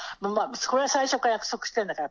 これは最初から約束してるんだから。